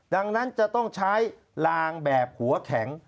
ดังนั้นจะต้องใช้ลางแบบหัวแข็ง